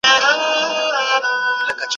فارابي خپله ټولنه فاضله ښار بولي.